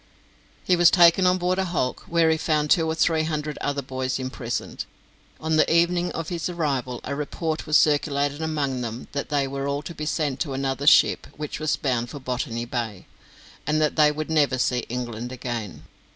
He was taken on board a hulk, where he found two or three hundred other boys imprisoned. On the evening of his arrival a report was circulated among them that they were all to be sent to another ship, which was bound for Botany Bay, and that they would never see England again.